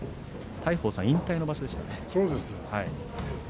大鵬さん、引退の場所でしたね。